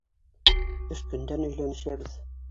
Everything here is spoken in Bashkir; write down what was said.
Өс көндән өйләнешәбеҙ!